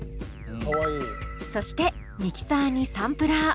そしてミキサーにサンプラー。